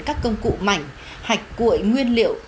các công cụ mảnh hạch cuội nguyên liệu